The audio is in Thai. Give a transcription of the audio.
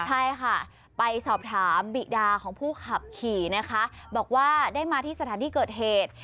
ใช่ค่ะไปสอบถามบิดาของผู้ขับขี่นะคะบอกว่าได้มาที่สถานที่เกิดเหตุ